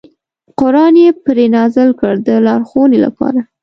قران یې پرې نازل کړ د لارښوونې لپاره.